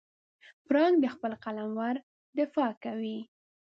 پړانګ د خپل قلمرو دفاع کوي.